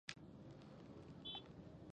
افسانې یو څه تاریخي رنګ اخلي.